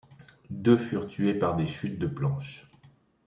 Deux furent tués par des chutes de planches.